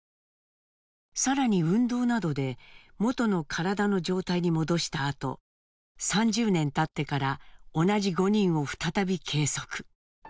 更に運動などで元の体の状態に戻したあと３０年たってから同じ５人を再び計測。